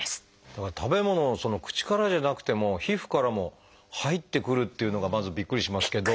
だから食べ物口からじゃなくても皮膚からも入ってくるっていうのがまずびっくりしますけど。